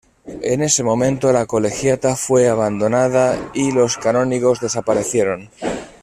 En ese momento la Colegiata fue abandonada y los canónigos desaparecieron.